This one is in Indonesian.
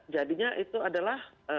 jadinya itu adalah